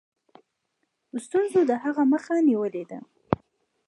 ستونزو د هغه مخه نیولې ده.